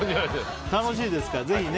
楽しいですからぜひ。